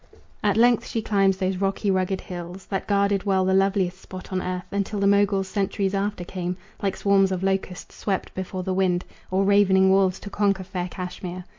At length she climbs those rocky, rugged hills. That guarded well the loveliest spot on earth Until the Moguls centuries after came, Like swarms of locusts swept before the wind, Or ravening wolves, to conquer fair Cashmere.